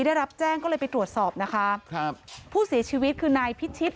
ได้รับแจ้งก็เลยไปตรวจสอบนะคะครับผู้เสียชีวิตคือนายพิชิต